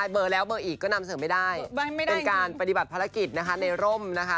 เป็นการปฏิบัติภาระกิจนะคะ